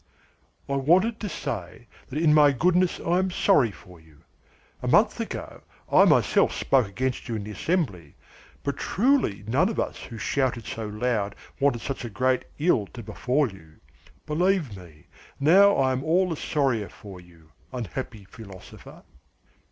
"I wanted to say that in my goodness I am sorry for you. A month ago I myself spoke against you in the assembly, but truly none of us who shouted so loud wanted such a great ill to befall you. Believe me, now I am all the sorrier for you, unhappy philosopher!"